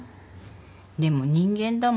でも人間だもん